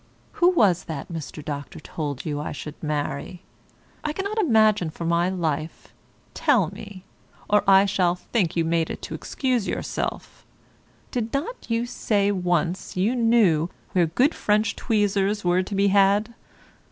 Who was that, Mr. Dr. told you I should marry? I cannot imagine for my life; tell me, or I shall think you made it to excuse yourself. Did not you say once you knew where good French tweezers were to be had?